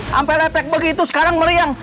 sampai lepek begitu sekarang meriang